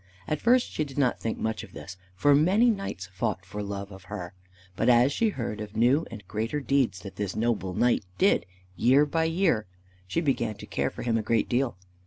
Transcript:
At first she did not think much of this, for many knights fought for love of her; but as she heard of new and greater deeds that this noble knight did year by year, she began to care for him a great deal.